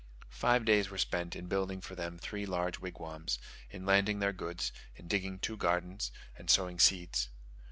Five days were spent in building for them three large wigwams, in landing their goods, in digging two gardens, and sowing seeds.